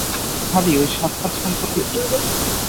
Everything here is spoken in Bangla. ভাবি, ঐ সাক্ষাৎ সম্পর্কে কী?